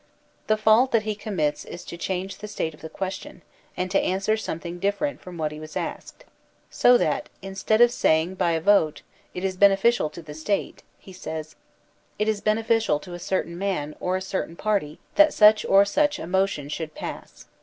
The fault that he commits is to change the state of the question, and to answer something different from what he was asked ; so that, instead of say ing by a vote: «It is beneficial to the State,* he says: •It is beneficial to a certain man or a certain party that such \ 94 THE SOCIAL CONTRACT or such a motion should pass.